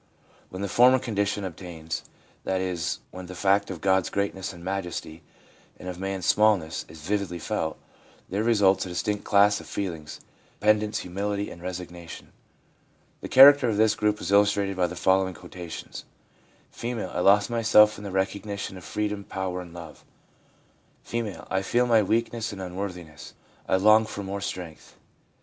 When the former condition obtains — that is, when the fact of God's greatness and majesty, and of man's smallness, is vividly felt, there results a distinct class of feelings, dependence^ humility and resignation. The character of this group is illustrated by the following quotations ; F, ' I lost myself in the recognition of freedom, power and love/ F. ' I feel my weakness and unworthiness ; I long for more strength.'